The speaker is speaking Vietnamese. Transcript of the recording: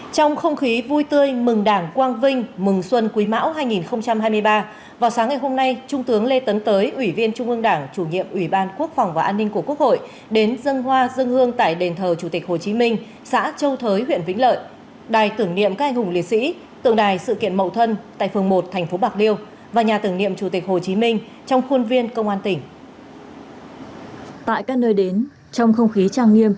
tương tươi mừng đảng quang vinh mừng xuân quý mão hai nghìn hai mươi ba vào sáng ngày hôm nay trung tướng lê tấn tới ủy viên trung ương đảng chủ nhiệm ủy ban quốc phòng và an ninh của quốc hội đến dân hoa dân hương tại đền thờ chủ tịch hồ chí minh xã châu thới huyện vĩnh lợi đài tưởng niệm các anh hùng liệt sĩ tượng đài sự kiện mậu thân tại phường một thành phố bạc liêu và nhà tưởng niệm chủ tịch hồ chí minh trong khuôn viên công an tỉnh